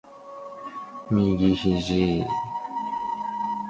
隋大业元年置。